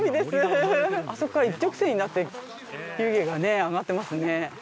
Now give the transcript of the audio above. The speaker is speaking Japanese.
あそこは、一直線になって湯気が上がっていますね。